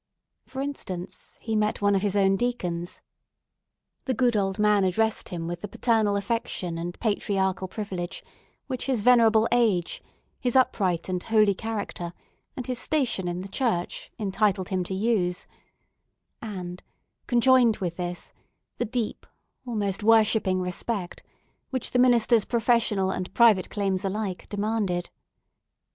For instance, he met one of his own deacons. The good old man addressed him with the paternal affection and patriarchal privilege which his venerable age, his upright and holy character, and his station in the church, entitled him to use and, conjoined with this, the deep, almost worshipping respect, which the minister's professional and private claims alike demanded.